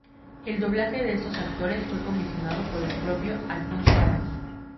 El doblaje de estos actores fue comisionado por el propio Alfonso Arau.